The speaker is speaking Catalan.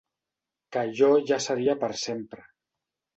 Que allò ja seria per sempre.